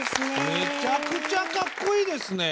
めちゃくちゃかっこいいですね。